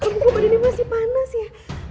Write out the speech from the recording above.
buku badan ini masih panas ya